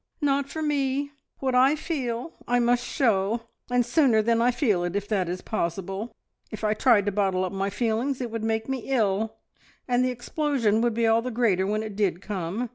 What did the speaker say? "Not for me! What I feel I must show, and sooner than I feel it, if that is possible. If I tried to bottle up my feelings it would make me ill, and the explosion would be all the greater when it did come.